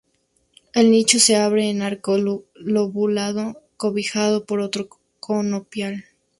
El nicho se abre en arco lobulado, cobijado por otro conopial.